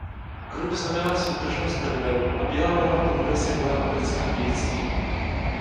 Kruh znamená soudržnost Denveru a bílá barva pruhu je symbolem amerického dědictví.